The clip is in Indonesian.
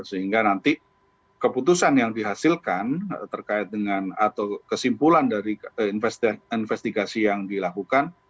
sehingga nanti keputusan yang dihasilkan terkait dengan atau kesimpulan dari investigasi yang dilakukan